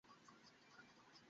কী হচ্ছে স্যার?